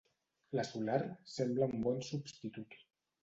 La solar sembla un bon substitut.